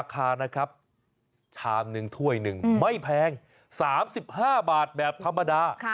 คานะครับชามหนึ่งถ้วยหนึ่งไม่แพง๓๕บาทแบบธรรมดา